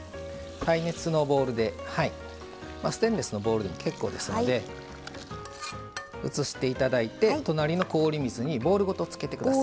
耐熱のボウルでステンレスのボウルでも結構ですので移していただいて隣の氷水にボウルごとつけてください。